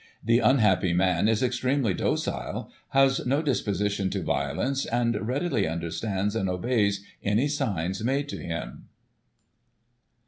The unhappy man is extremely docile, has no disposition to violence, and readily understands and obeys any signs made to him."